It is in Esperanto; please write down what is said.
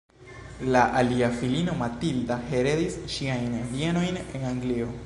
La alia filino, Matilda, heredis ŝiajn bienojn en Anglio.